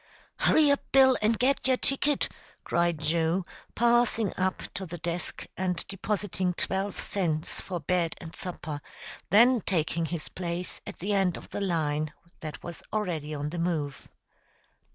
"Hurry up, Bill, and get yer ticket," cried Joe, passing up to the desk, and depositing twelve cents for bed and supper, then taking his place at the end of the line that was already on the move.